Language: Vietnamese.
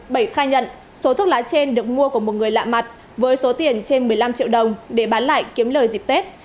bảy khai nhận số thuốc lá trên được mua của một người lạ mặt với số tiền trên một mươi năm triệu đồng để bán lại kiếm lời dịp tết